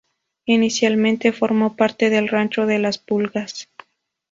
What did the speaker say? Inicialmente formó parte del Rancho de las pulgas.